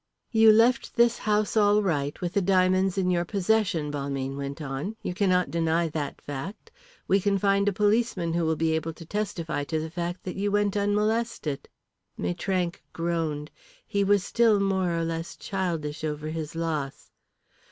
"You left this house all right with the diamonds in your possession," Balmayne went on; "you cannot deny that fact. We can find a policeman who will be able to testify to the fact that you went unmolested." Maitrank groaned. He was still more or less childish over his loss.